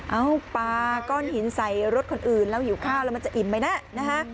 เอาปลาก้อนหินใส่รถคนอื่นแล้วหิวข้าวแล้วมันจะอิ่มไหมนะนะฮะ